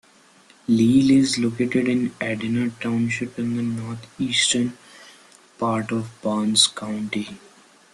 Leal is located in Edna Township in the northeastern part of Barnes County.